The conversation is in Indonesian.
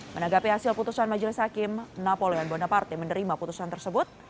menanggapi hasil putusan majelis hakim napoleon bonaparte menerima putusan tersebut